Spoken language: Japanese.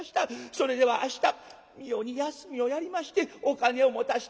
それでは明日みよに休みをやりましてお金を持たして里へ帰して」。